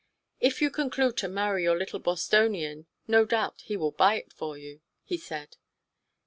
"If you conclude to marry your little Bostonian no doubt he will buy it for you," he said.